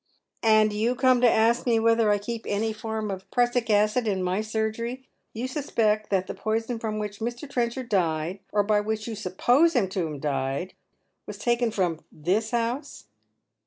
" And you come to ask me whether I keep any form of prussic acid in my surgery — j' ou suspect that the poison from which Mr. Trenchard died — or by which you suppose him to have died — was taken from this house